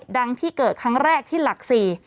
ดังที่เกิดครั้งแรกที่หลัก๔